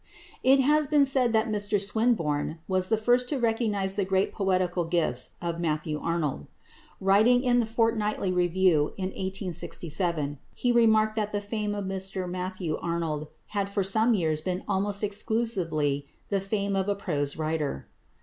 It has been said that Mr Swinburne was the first to recognise the great poetical gifts of =Matthew Arnold (1822 1888)=. Writing in the Fortnightly Review in 1867, he remarked that the fame of Mr Matthew Arnold had for some years been almost exclusively the fame of a prose writer.